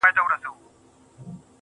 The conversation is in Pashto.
زما د ژوند هره شيبه او گړى~